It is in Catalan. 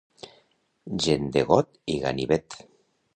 Gent de got i ganivet.